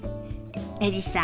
エリさん